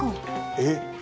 えっ！